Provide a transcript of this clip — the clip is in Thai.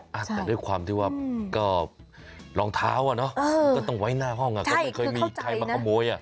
แต่ด้วยความที่ว่าก็รองเท้าอ่ะเนอะมันก็ต้องไว้หน้าห้องอ่ะก็ไม่เคยมีใครมาขโมยอ่ะ